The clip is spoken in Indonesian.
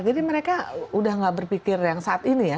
jadi mereka udah nggak berpikir yang saat ini ya